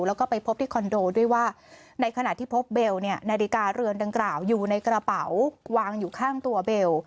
แล้วก็ไปพบที่คอนโดด้วยว่าในขณะที่พบเบลเนี่ยนาฬิกาเรือนดังกล่าวอยู่ในกระเป๋าวางอยู่ข้างตัวเบล